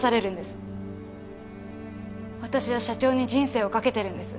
私は社長に人生を懸けてるんです。